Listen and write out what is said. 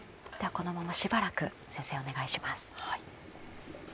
このまましばらく先生お願いします。